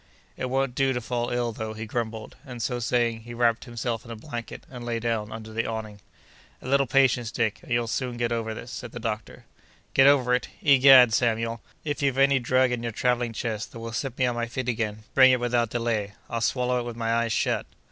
"It won't do to fall ill, though," he grumbled; and so saying, he wrapped himself in a blanket, and lay down under the awning. "A little patience, Dick, and you'll soon get over this," said the doctor. "Get over it! Egad, Samuel, if you've any drug in your travelling chest that will set me on my feet again, bring it without delay. I'll swallow it with my eyes shut!"